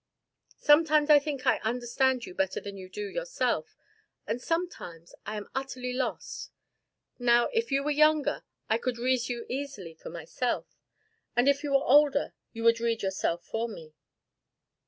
Sometimes I think I understand you better than you do yourself, and sometimes I am utterly lost; now, if you were younger I could read you easily for myself, and, if you were older, you would read yourself for me."